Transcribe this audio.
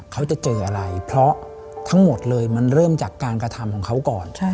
เขาจะเจออะไรเพราะทั้งหมดเลยมันเริ่มจากการกระทำของเขาก่อน